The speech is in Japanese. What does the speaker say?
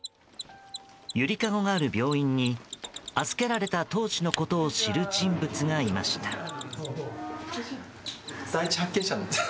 ゆりかごがある病院に預けられた当時のことを知る人物がいました。